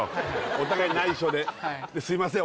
お互いにないしょですいません